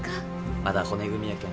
まだ骨組みやけん。